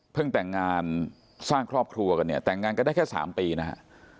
แต่งงานสร้างครอบครัวกันเนี่ยแต่งงานกันได้แค่๓ปีนะฮะ